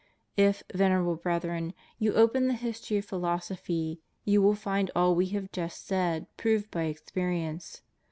If, Venerable Brethren, you open the history of phi losophy, you will find all We have just said proved by experience.